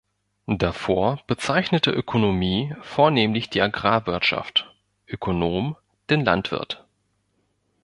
Davor bezeichnete „Ökonomie“ vornehmlich die Agrarwirtschaft, „Ökonom“ den Landwirt.